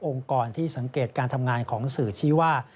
กรที่สังเกตการทำงานของสื่อชี้ว่า